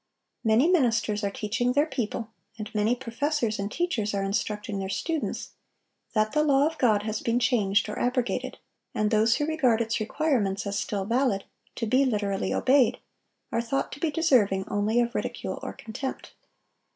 Many ministers are teaching their people, and many professors and teachers are instructing their students, that the law of God has been changed or abrogated; and those who regard its requirements as still valid, to be literally obeyed, are thought to be deserving only of ridicule or contempt.